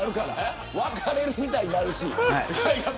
別れるみたいになるし。